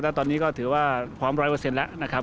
และตอนนี้ก็ถือว่าพร้อม๑๐๐แล้วนะครับ